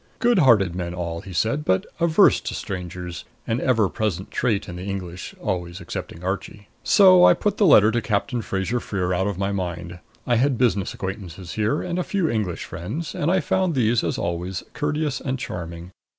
Good hearted men all, he said, but averse to strangers; an ever present trait in the English always excepting Archie. So I put the letter to Captain Fraser Freer out of my mind. I had business acquaintances here and a few English friends, and I found these, as always, courteous and charming.